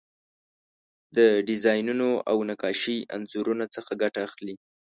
د ډیزاینونو او نقاشۍ انځورونو څخه ګټه اخلي.